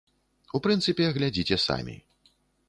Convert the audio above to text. У прынцыпе, глядзіце самі.